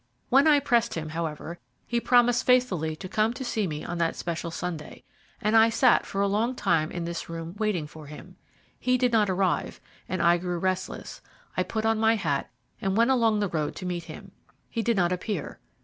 When I pressed him, however, he promised faithfully to come to see me on that special Sunday, and I sat for a long time in this room waiting for him. He did not arrive, and I grew restless. I put on my hat, and went along the road to meet him. He did not appear.